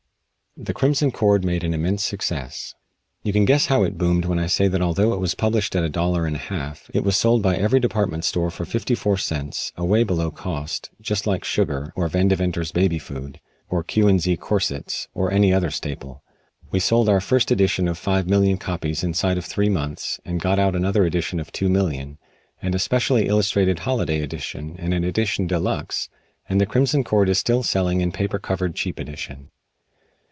"The Crimson Cord" made an immense success. You can guess how it boomed when I say that although it was published at a dollar and a half, it was sold by every department store for fifty four cents, away below cost, just like sugar, or Vandeventer's Baby Food, or Q & Z Corsets, or any other staple. We sold our first edition of five million copies inside of three months, and got out another edition of two million, and a specially illustrated holiday edition and an edition de luxe, and "The Crimson Cord" is still selling in paper covered cheap edition.